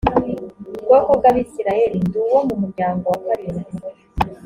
bwoko bw abisirayeli ndi uwo mu muryango wa karindwi